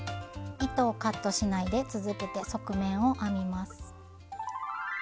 糸をカットしないで続けて側面を編みます。